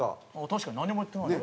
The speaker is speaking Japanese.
確かに何も言ってない。